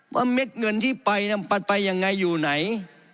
เพราะว่าเม็ดเงินที่ไปปัดไปอย่างไรอยู่ไหน